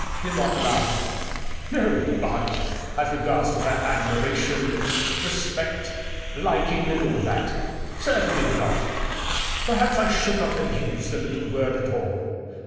Demotte laughed. " No ^ but' as r^ards her admiration, respect, liking, and all that Certainly not. Perhaps I should not have used the little word at all.